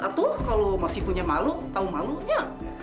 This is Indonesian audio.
atau kalau masih punya malu tahu malunya